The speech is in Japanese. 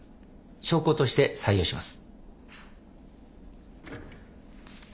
証拠として採用します。